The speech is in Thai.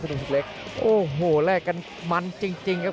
กระโดยสิ้งเล็กนี่ออกกันขาสันเหมือนกันครับ